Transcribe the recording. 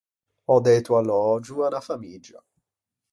Ò dæto allögio à unna famiggia.